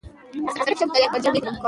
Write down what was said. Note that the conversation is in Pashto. ته چي صبر کړې غرور پکښي څرګند دی